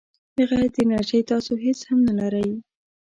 بغیر د انرژۍ تاسو هیڅ هم نه لرئ.